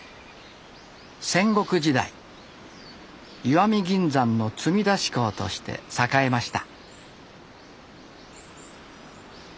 戦国時代石見銀山の積み出し港として栄えました。